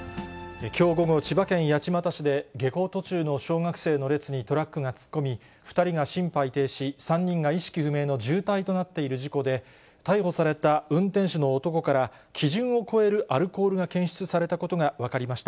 きょう午後、千葉県八街市で、下校途中の小学生の列にトラックが突っ込み、２人が心肺停止、３人が意識不明の重体となっている事故で、逮捕された運転手の男から、基準を超えるアルコールが検出されたことが分かりました。